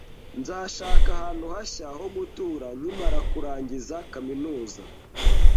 Nzashaka ahantu hashya ho gutura nkimara kurangiza kaminuza.